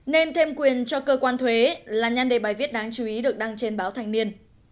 nên thêm quyền cho cơ quan thuế là nhanh đề bài viết đáng chú ý được đăng trên báo thành niên